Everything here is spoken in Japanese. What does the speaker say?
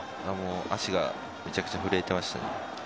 足がめちゃくちゃ震えていましたね。